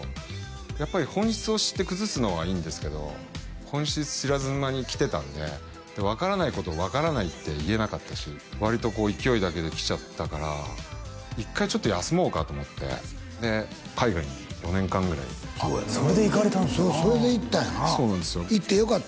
やっぱり本質を知って崩すのはいいんですけど本質知らずに来てたんで分からないことを分からないって言えなかったし割とこう勢いだけで来ちゃったから一回ちょっと休もうかと思ってで海外に４年間ぐらいそれで行かれたんですかそれで行ったんやな行ってよかった？